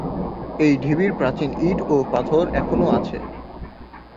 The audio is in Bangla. এই ঢিবির প্রাচীন ইট ও পাথর এখনও আছে।